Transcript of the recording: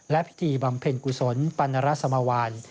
และพิธีบำเพ็ญกุศลปรณรสมวาน